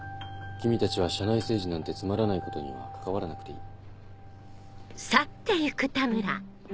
君たちは社内政治なんてつまらないことには関わらなくていい。